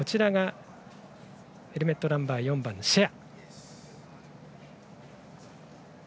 ヘルメットナンバー４番、シェア。